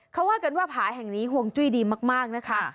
เขาว่ากันว่าผาแห่งนี้ห่วงจุ้ยดีมากนะคะ